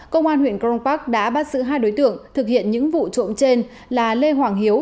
công an huyện cron park đã bắt giữ hai đối tượng thực hiện những vụ trộm trên là lê hoàng hiếu